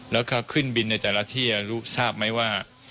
แล้วก็ขึ้นบินในแต่ละที่ทราบไหมว่า